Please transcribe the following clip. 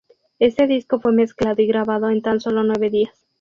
Este disco fue mezclado y grabado en tan solo nueve días.